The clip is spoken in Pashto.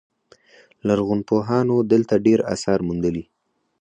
لرغونپوهانو دلته ډیر اثار موندلي